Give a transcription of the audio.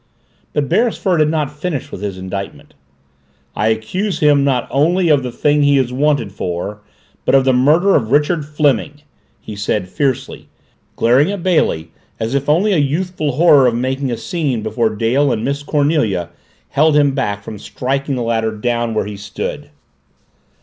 But Beresford had not finished with his indictment. "I accuse him not only of the thing he is wanted for, but of the murder of Richard Fleming!" he said fiercely, glaring at Bailey as if only a youthful horror of making a scene before Dale and Miss Cornelia held him back from striking the latter down where he stood.